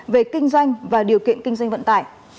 về kinh doanh và điều kiện kinh doanh vận tải